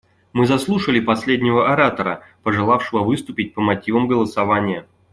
Мы заслушали последнего оратора, пожелавшего выступить по мотивам голосования.